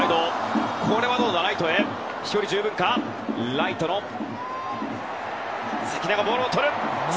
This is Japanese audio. ライトの関根がボールをとった。